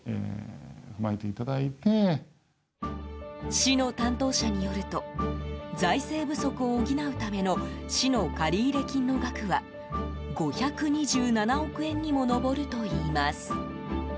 市の担当者によると財政不足を補うための市の借入金の額は５２７億円にも上るといいます。